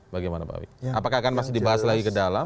bagaimana pak wid apakah akan masih dibahas lagi ke dalam